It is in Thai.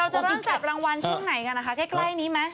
จะเริ่มจับรางวัลช่วงไหนกันนะคะใกล้นี้ไหม